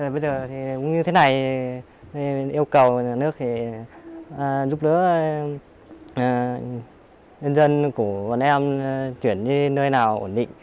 bây giờ thì cũng như thế này yêu cầu nhà nước giúp đỡ nhân dân của bọn em chuyển đi nơi nào ổn định